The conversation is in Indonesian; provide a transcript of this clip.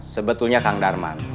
sebetulnya kang darman